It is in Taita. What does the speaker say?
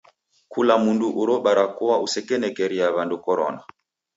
Kula mundu uro barakoa usekenekeria w'ambao korona.